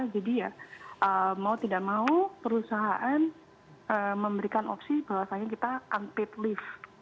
jadi ya mau tidak mau perusahaan memberikan opsi bahwasannya kita unpaid leave